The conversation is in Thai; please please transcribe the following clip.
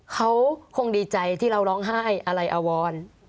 เขาคงดีใจที่เราร้องไห้อะไรอวร